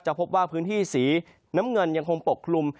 พบว่าพื้นที่สีน้ำเงินยังคงปกคลุม